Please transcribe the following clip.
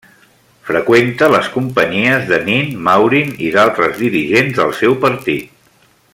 Freqüenta les companyies de Nin, Maurin i d'altres dirigents del seu partit.